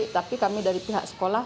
tapi kami dari pihak sekolah